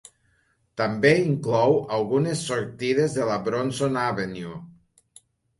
També inclou algunes sortides de la Bronson Avenue.